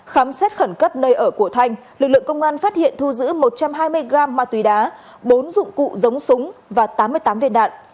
khám xét khẩn cấp nơi ở của thanh lực lượng công an phát hiện thu giữ một trăm hai mươi g ma túy đá bốn dụng cụ giống súng và tám mươi tám viên đạn